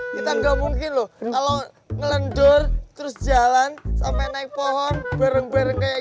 kita nggak mungkin loh kalau ngelendur terus jalan sampai naik pohon bareng bareng kayak